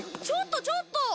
ちょっとちょっと！